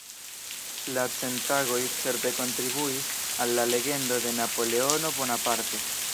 La Cent-Tagoj certe kontribuis al la legendo de Napoleono Bonaparte.